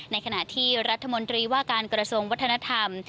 ในขณะที่รัฐมนตรีว่าการกระทรวงวัฒนธรรม